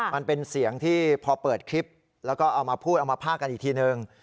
มันเป็นเสียงที่พอเปิดคลิปแล้วก็เอามาพูดเอามาภาคกันอีกทีนึง